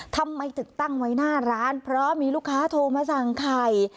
ทำไมถึงตั้งไว้หน้าร้านเพราะมีลูกค้าโทรมาสั่งไข่